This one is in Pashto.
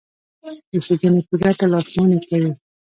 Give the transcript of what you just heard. د ښېګڼې په ګټه لارښوونې کوي.